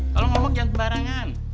kalau ngomong jangan kebarangan